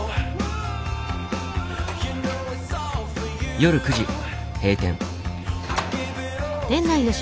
夜９時閉店。